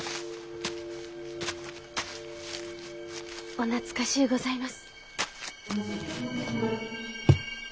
お懐かしゅうございます。